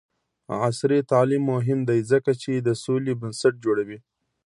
عصري تعلیم مهم دی ځکه چې د سولې بنسټ جوړوي.